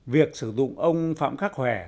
việc sử dụng ông phạm khắc hòe